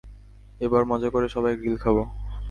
এবার মজা করে সবাই গ্রিল খাবো!